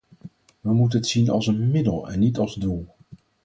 We moeten het zien als een middel, en niet als doel.